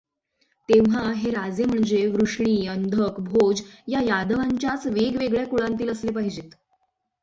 तेव्हा हे राजे म्हणजे, वृष्णी, अंधक, भोज या यादवांच्याच वेगवेगळ्या कुळांतील असले पाहिजेत.